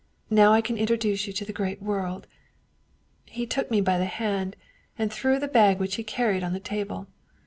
Now I can introduce you into the great world/ He took me by the hand, and threw the bag which he carried on the table.